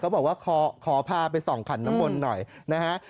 บอกว่าขอพาไปส่องขันน้ำมนต์หน่อยนะฮะ